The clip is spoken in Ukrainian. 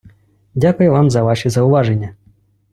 дякую вам за ваші зауваження!